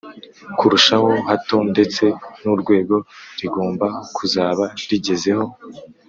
kurushaho hato ndetse n'urwega rigomba kuzaba rigezeho